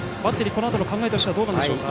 このあとの考えとしてはどうでしょうか。